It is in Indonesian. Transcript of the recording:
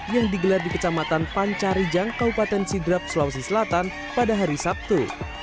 yang digelar di kecamatan pancarijang kabupaten sidrap sulawesi selatan pada hari sabtu